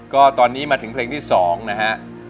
ก็ตอนนี้มาถึงเพลงที่๒นะฮะ